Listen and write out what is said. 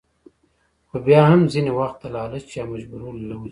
خو بيا هم ځينې وخت د لالچ يا مجبورو له وجې